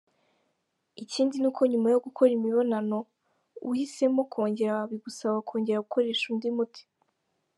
Ikindi ni uko nyuma yo gukora imibonano, uhisemo kongera bigusaba kongera gukoresha undi muti.